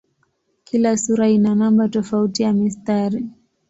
Kila sura ina namba tofauti ya mistari.